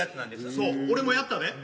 そう俺もやったで。